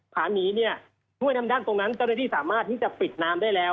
ผาหมีเนี่ยถ้วยน้ำด้านตรงนั้นเจ้าหน้าที่สามารถที่จะปิดน้ำได้แล้ว